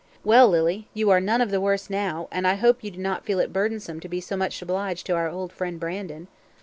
"Well, Lily, you are none of the worse now, and I hope you do not feel it burdensome to be so much obliged to our old friend Brandon."